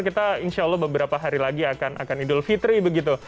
kita insya allah beberapa hari lagi akan idul fitri begitu